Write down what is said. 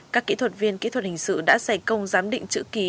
các kỹ thuật viên kỹ thuật hình sự đã giải công giám định chữ ký